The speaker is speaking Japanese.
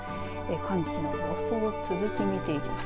寒気の予想続き見ていきます。